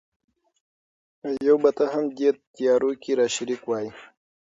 یو به ته هم دې تیارو کي را شریک وای